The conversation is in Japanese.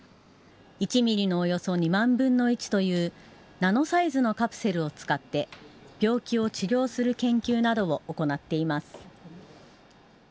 １ミリのおよそ２万分の１というナノサイズのカプセルを使って病気を治療する研究などを行っています。